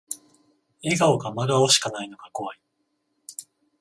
笑顔か真顔しかないのが怖い